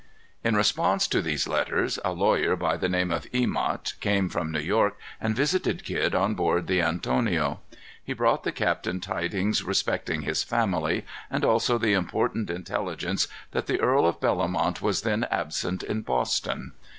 In response to these letters, a lawyer by the name of Emot came from New York, and visited Kidd on board the Antonio. He brought the captain tidings respecting his family, and also the important intelligence that the Earl of Bellomont was then absent in Boston.